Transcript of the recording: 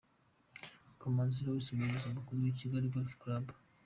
Kamanzi Louis umuyobozi mukuru wa Kigali Golf Club.